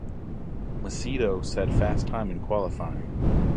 Macedo set fast time in qualifying.